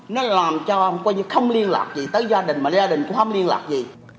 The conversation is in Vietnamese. nó làm cho không liên lạc gì tới gia đình mà gia đình cũng không liên lạc gì